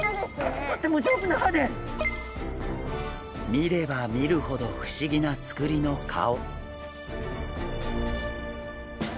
見れば見るほど不思議なつくりの顔。